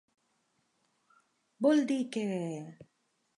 ¿Vol dir que...?